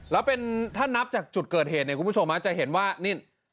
แล้วเป็นท่านนับจากจุดเกิดเหตุคุณมิค้อมมาร์จะเห็นว่านี่